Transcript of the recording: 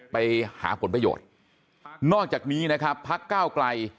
ไปหาผลประโยชน์นอกจากนี้นะครับพักก้าวไกล